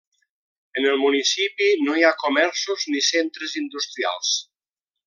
En el municipi no hi ha comerços ni centres industrials.